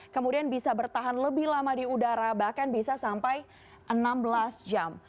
kemudian bisa bertahan lebih lama di udara bahkan bisa sampai enam belas jam